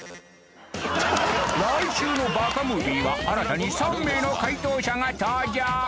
来週の『ＢＡＫＡムービー』は新たに３名の回答者が登場！